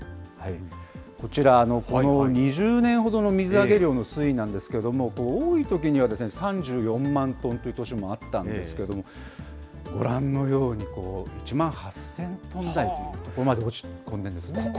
こちら、この２０年ほどの水揚げ量の推移なんですけれども、多いときには３４万トンという年もあったんですけど、ご覧のように、１万８０００トン台というところまで落ち込んでるんですね。